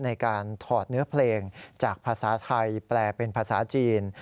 ในการถอดเนื้อเพลงจากภาษาไทยแปลเป็นภาษาจีน